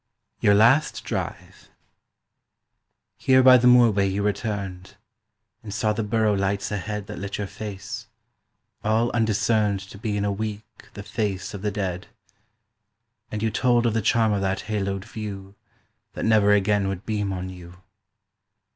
YOUR LAST DRIVE HERE by the moorway you returned, And saw the borough lights ahead That lit your face—all undiscerned To be in a week the face of the dead, And you told of the charm of that haloed view That never again would beam on you.